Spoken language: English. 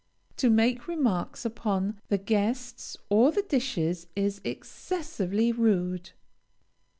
To make remarks upon the guests or the dishes is excessively rude.